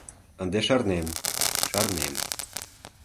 Ынде шарнем, шарнем.